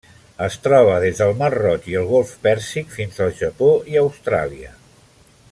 Es troba des del Mar Roig i el Golf Pèrsic fins al Japó i Austràlia.